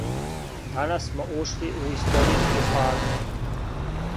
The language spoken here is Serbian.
Данас смо ушли у историјску фазу.